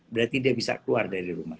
berarti dia bisa keluar dari rumah